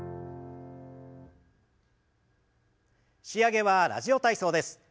仕上げは「ラジオ体操」です。